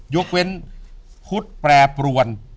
ยกเว้นพุทธแปรปรวน